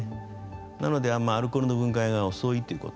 なので、あんまりアルコールの分解が遅いということ。